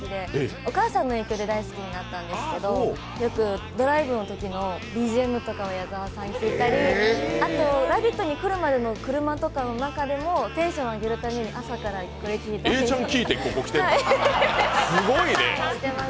お母さんの影響で大好きになったんですけど、よくドライブのときのＢＧＭを矢沢さんにしていたり「ラヴィット！」に来るまでの車の中でもテンションを上げるためにこれを聴いたりしてます。